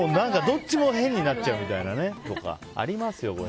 どっちも変になっちゃうみたいなのありますよ。